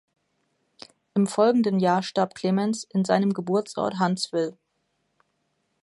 Im folgenden Jahr starb Clemens in seinem Geburtsort Huntsville.